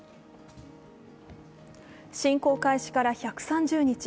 侵攻開始から１３０日。